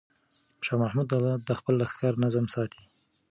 شاه محمود د خپل لښکر نظم ساتي.